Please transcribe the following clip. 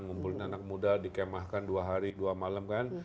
ngumpulin anak muda dikemahkan dua hari dua malam kan